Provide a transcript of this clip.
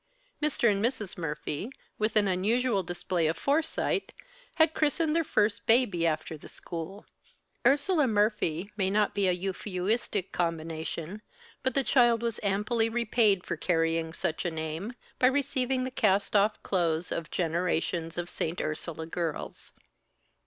Mr. and Mrs. Murphy, with an unusual display of foresight, had christened their first baby after the school. Ursula Murphy may not be a euphuistic combination, but the child was amply repaid for carrying such a name, by receiving the cast off clothes of generations of St. Ursula girls.